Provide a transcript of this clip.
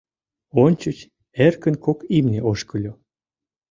Ончыч эркын кок имне ошкыльо.